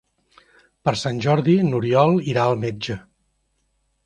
Per Sant Jordi n'Oriol irà al metge.